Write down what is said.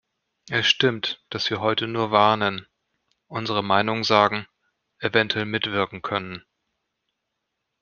Es stimmt, dass wir heute nur warnen, unsere Meinung sagen, eventuell mitwirken können.